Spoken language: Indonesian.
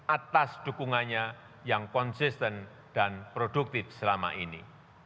atas dukungannya yang konsisten dan produktif selama ini